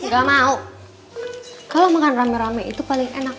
gak mau kalau makan rame rame itu paling enak